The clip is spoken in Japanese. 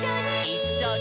「いっしょに」